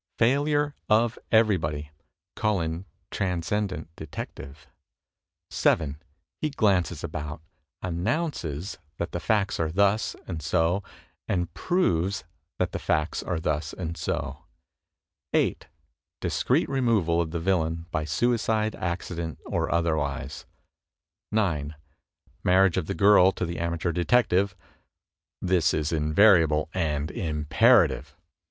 Failure of everybody. Call in Transcendent Detective. 7. He glances about, announces that the facts are thus and so and proves that the facts are thus and so. 8. Discreet removal of the villain by suicide, accident or otherwise. 9. Marriage of the girl to the amateur detective. (This is invariable and imperative!)